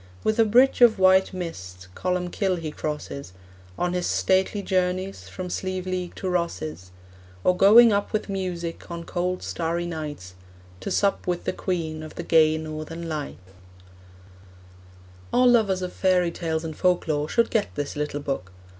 With a bridge of white mist Columbkill he crosses, On his stately journeys From Slieveleague to Rosses; Or going up with music, On cold starry nights, To sup with the Queen Of the gay Northern Lights. All lovers of fairy tales and folklore should get this little book.